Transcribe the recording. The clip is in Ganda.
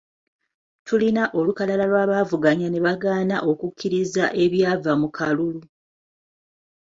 Tulina olukalala lw'abaavuganya ne bagaana okukkiriza ebyava mu kalulu